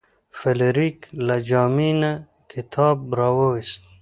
فلیریک له جامې نه کتاب راویوست.